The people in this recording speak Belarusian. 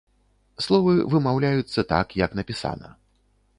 Словы вымаўляюцца так, як напісана.